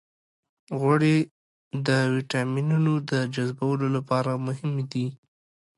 غوړې د ویټامینونو د جذبولو لپاره مهمې دي.